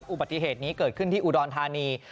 อุบัติเหตุนี้เกิดขึ้นที่อุดรธานี